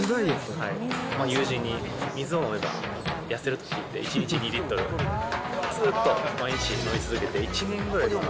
友人に水を飲めば痩せると聞いて、１日２リットル、ずっと、毎日飲み続けて、１年ぐらいかな。